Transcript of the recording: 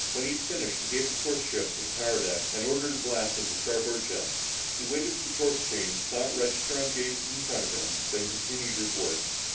When he had finished, he gave the course shift to the power deck and ordered a blast on the starboard jet. He waited for the course change, saw it register on the gauges in front of him, then continued his work.